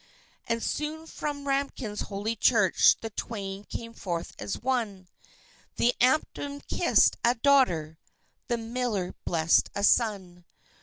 And soon from Rambin's holy church the twain came forth as one, The Amptman kissed a daughter, the miller blest a son.